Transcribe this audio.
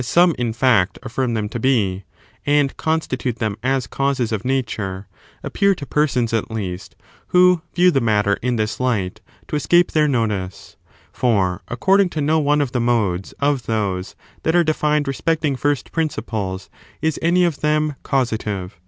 413 in fact, affirm them to be, and constitute them as causes of Nature — appear to persons, at least, who view the matter in this light, to escape their notice ; for according to no one of the modes of those that are defined respecting first principles is any of them causative.